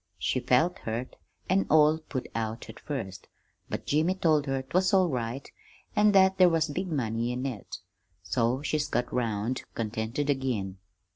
She felt hurt, an' all put out at first: but Jimmy told her 'twas all right, an' that there was big money in it; so she got 'round contented again.